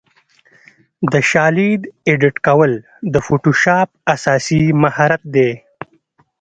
د شالید ایډیټ کول د فوټوشاپ اساسي مهارت دی.